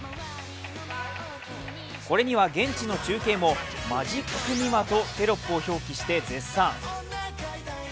これには現地の中継もマジックミマとテロップを表記して絶賛。